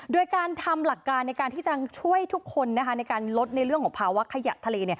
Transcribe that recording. โดยการทำหลักการในการที่จะช่วยทุกคนในการลดในเรื่องของภาวะขยะทะเล